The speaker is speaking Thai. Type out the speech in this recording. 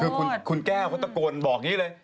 คือคุณแก้เขาก็ตะกรวณบอกอย่างนี้เลย